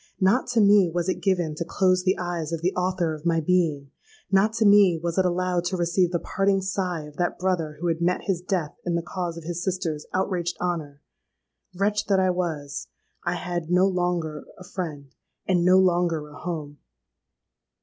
Not to me was it given to close the eyes of the author of my being: not to me was it allowed to receive the parting sigh of that brother who had met his death in the cause of his sister's outraged honour! Wretch that I was;—I had no longer a friend—and no longer a home!